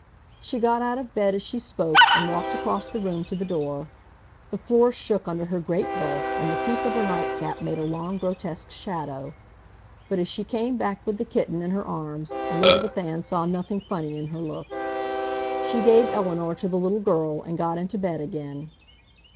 She got out of bed as she spoke and walked across the room to the door. The floor shook under her great bulk, and the peak of her nightcap made a long, grotesque shadow. But as she came back with the kitten in her arms Elizabeth Ann saw nothing funny in her looks. She gave Eleanor to the little girl and got into bed again.